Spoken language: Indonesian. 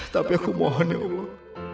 tapi aku mohon ya allah